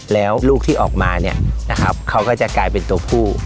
แล้วลูกที่ออกมาเนี่ยนะครับเขาก็จะกลายเป็นตัวผู้